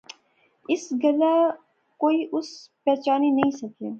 اس گلاہ کوئی اس پچھانی نی سکیا